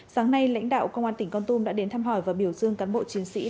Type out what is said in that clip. sáng nay lãnh đạo công an tỉnh con tum đã đến thăm hỏi và biểu dương cán bộ chiến sĩ